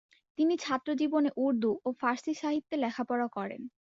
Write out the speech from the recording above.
তিনি ছাত্র জীবনে উর্দু ও ফার্সি সাহিত্যে লেখাপড়া করেন।